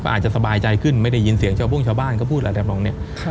อาจจะสบายใจขึ้นไม่ได้ยินเสียงเจ้าบ้างชาวบ้านก็พูดอะไรแบบน้องเนี่ย